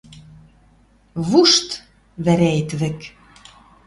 Вушт! — вӓрӓэт вӹк...